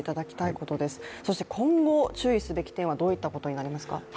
今後、注意すべき点はどういったことになりますか。